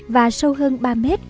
và sâu hơn ba m